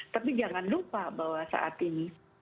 tapi jangan lupa bahwa saat ini